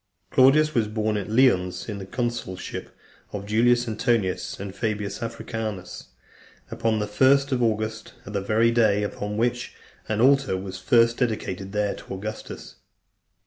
II. Claudius was born at Lyons, in the consulship of Julius Antonius, and Fabius Africanus, upon the first of August , the very day upon which an altar was first dedicated there to Augustus.